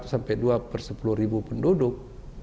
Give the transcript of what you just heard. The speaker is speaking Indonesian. sampai dua per sepuluh ribu penduduk